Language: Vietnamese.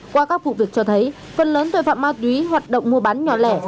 qua các vụ việc cho thấy phần lớn tội phạm ma túy hoạt động mua bán nhỏ lẻ